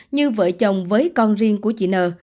như vợ chồng với con riêng của chị n